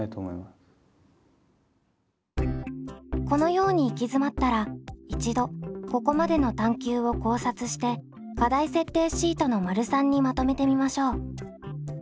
このように行き詰まったら一度ここまでの探究を考察して課題設定シートの③にまとめてみましょう。